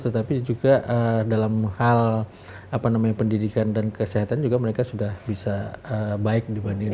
tetapi juga dalam hal pendidikan dan kesehatan juga mereka sudah bisa baik dibandingkan